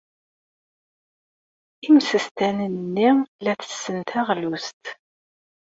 Imsestanen-nni la tessen taɣlust.